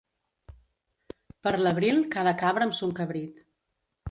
Per l'abril cada cabra amb son cabrit.